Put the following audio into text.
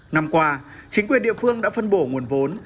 năm qua chính quyền địa phương đã phân bổ nguồn vốn